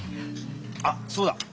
あっそうだ。